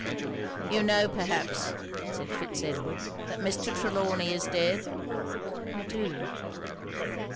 'You know, perhaps,' said Fitz Edward, 'that Mr. Trelawny is dead.' 'I do.'